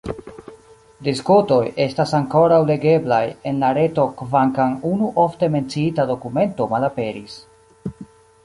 Diskutoj estas ankoraŭ legeblaj en la reto kvankam unu ofte menciita dokumento malaperis.